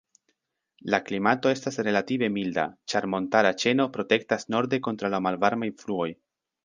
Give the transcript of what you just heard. La klimato estas relative milda, ĉar montara ĉeno protektas norde kontraŭ la malvarmaj fluoj.